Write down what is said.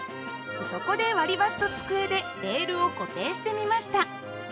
そこで割り箸と机でレールを固定してみました。